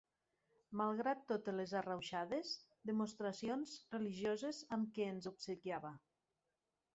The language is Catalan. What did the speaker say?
Malgrat totes les arrauxades demostracions religioses amb què ens obsequiava.